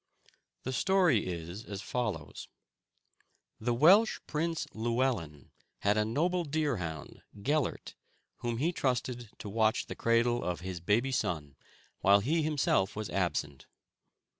The story is as follows: The Welsh Prince Llewellyn had a noble deerhound, Gellert, whom he trusted to watch the cradle of his baby son whilst he himself was absent.